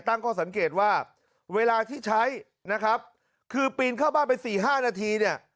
ตั้งข้อสังเกตว่าเวลาที่ใช้นะครับคือปีนเข้าบ้านไปสี่ห้านาทีเนี่ย